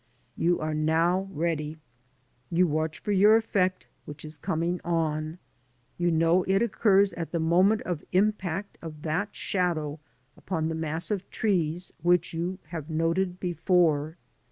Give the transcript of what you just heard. You are now ready. You watch for your effect, which is coming on. You know it occurs at the moment of impact of that shadow upon the mass of trees which you have noted before.